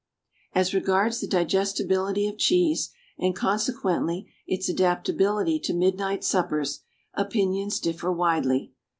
As regards the digestibility of cheese, and, consequently, its adaptability to midnight suppers, opinions differ widely.